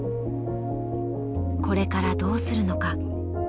これからどうするのか。